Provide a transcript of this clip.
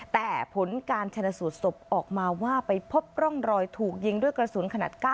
แต่ผลการชนะสูตรศพออกมาว่าไปพบร่องรอยถูกยิงด้วยกระสุนขนาด๙